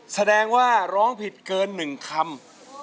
แสดงว่าร้องผิดเกิน๑คำ